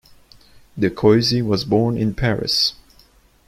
De Choisy was born in Paris.